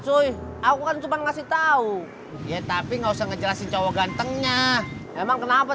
soy aku kan cuma ngasih tahu ya tapi nggak usah ngejelasin cowok gantengnya emang kenapa